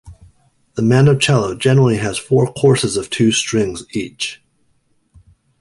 The mandocello generally has four courses of two strings each.